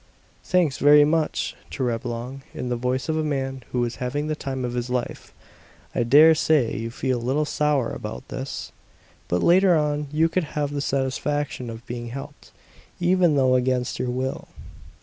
"Thanks very much," to Reblong, in the voice of a man who was having the time of his life. "I dare say you feel a little sour about this; but later on you can have the satisfaction of having helped, even though against your will."